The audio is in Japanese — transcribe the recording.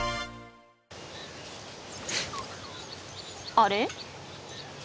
あれ？